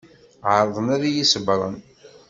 Ɛerḍen ad iyi-ṣebbren.